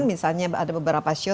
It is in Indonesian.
misalnya ada beberapa siu